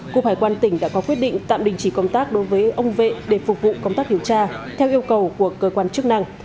cục hải quan tỉnh đã có quyết định tạm đình chỉ công tác đối với ông vệ để phục vụ công tác điều tra theo yêu cầu của cơ quan chức năng